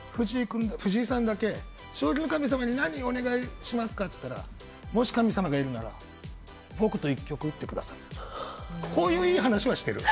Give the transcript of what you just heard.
藤井さんだけ、将棋の神様に何をお願いしますかって言ったらもし神様がいるなら僕と一局打ってください。